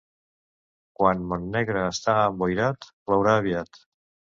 Quan Montnegre està emboirat, plourà aviat.